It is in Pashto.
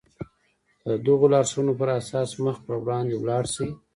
که د دغو لارښوونو پر اساس مخ پر وړاندې ولاړ شئ.